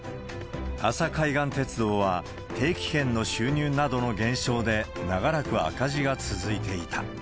阿佐海岸鉄道は定期券の収入などの現象で、長らく赤字が続いていた。